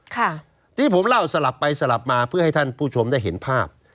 ค่ะที่ผมเล่าสลับไปสลับมาเพื่อให้ท่านผู้ชมได้เห็นภาพ